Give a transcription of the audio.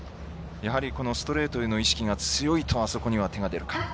やはりこのストレートへの意識が強いと、あそこには手が出るか。